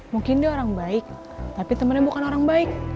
mungkin dia orang baik tapi temennya bukan orang baik